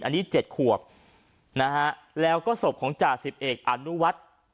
อันนี้๗ขวบนะฮะแล้วก็ศพของจ่าสิบเอกอนุวัฒน์